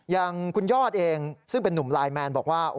อย่างคุณยอดเองซึ่งเป็นนุ่มไลน์แมนบอกว่า